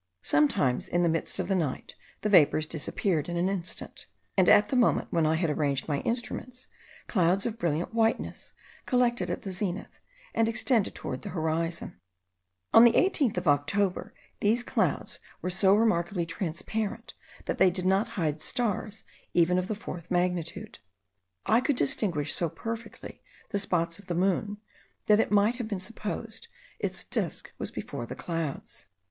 Sometimes, in the midst of the night, the vapours disappeared in an instant; and at the moment when I had arranged my instruments, clouds of brilliant whiteness collected at the zenith, and extended towards the horizon. On the 18th of October these clouds were so remarkably transparent, that they did not hide stars even of the fourth magnitude. I could distinguish so perfectly the spots of the moon, that it might have been supposed its disk was before the clouds.